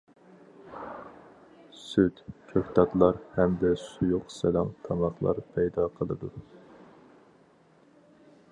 سۈت، كۆكتاتلار ھەمدە سۇيۇق-سەلەڭ تاماقلار پايدا قىلىدۇ.